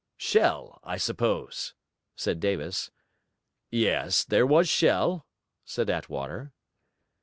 'Shell, I suppose?' said Davis. 'Yes, there was shell,' said Attwater.